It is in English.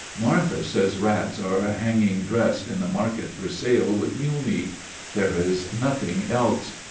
Martha says rats are hanging dressed in the market for sale with mule meat: there is nothing else.